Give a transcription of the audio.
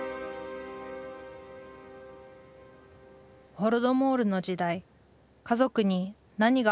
ホロドモールの時代家族に何があったのか。